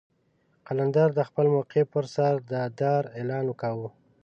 قلندر د خپل موقف پر سر د دار اعلان کاوه.